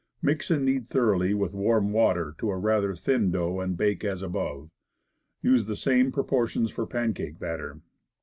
Mix and knead thoroughly with warm water to a rather thin dough, and bake as above. Use the same proportions for pancake batter.